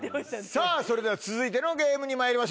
さぁそれでは続いてのゲームにまいりましょう。